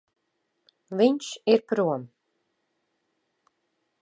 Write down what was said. Viņš ir prom.